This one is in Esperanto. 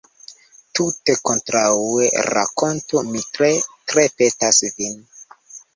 Tute kontraŭe; rakontu, mi tre, tre petas vin.